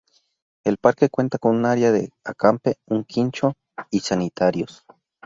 El Parque cuenta con un área de acampe, un quincho y sanitarios.